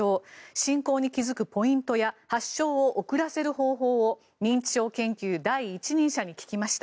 進行に気付くポイントや発症を遅らせる方法を認知症研究第一人者に聞きました。